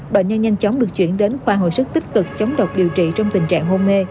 bệnh nhân nhanh chóng được chuyển đến khoa hồi sức tích cực chống độc điều trị trong tình trạng hôn mê